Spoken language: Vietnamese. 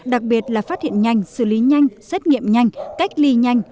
đặc biệt là phát hiện nhanh xử lý nhanh xét nghiệm nhanh cách ly nhanh